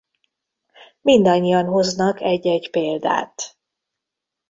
Mindannyian hoznak egy-egy példát.